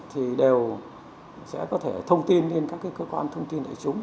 thì đều sẽ có thể thông tin lên các cơ quan thông tin đại chúng